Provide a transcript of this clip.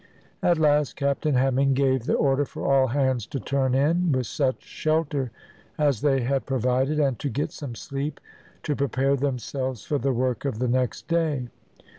At last Captain Hemming gave the order for all hands to turn in, with such shelter as they had provided, and to get some sleep to prepare themselves for the work of the next day.